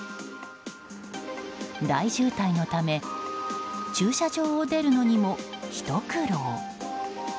大渋滞のため駐車場を出るのにも、ひと苦労。